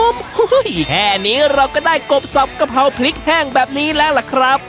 โอ้โหแค่นี้เราก็ได้กบสับกะเพราพริกแห้งแบบนี้แล้วล่ะครับ